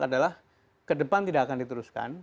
adalah ke depan tidak akan diteruskan